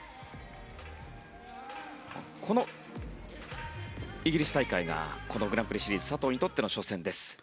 このイギリス大会がこのグランプリシリーズ佐藤にとっての初戦です。